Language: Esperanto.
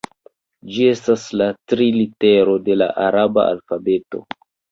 Ĝi estas la tri litero de la araba alfabeto.